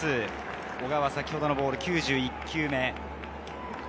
小川は先ほどのボールが９１球目。